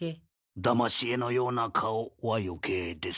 「だまし絵のような顔」はよけいです。